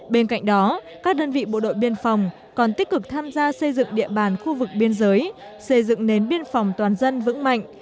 bên cạnh đó các đơn vị bộ đội biên phòng còn tích cực tham gia xây dựng địa bàn khu vực biên giới xây dựng nến biên phòng toàn dân vững mạnh